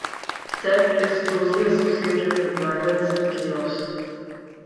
Set is closely associated with violence and chaos.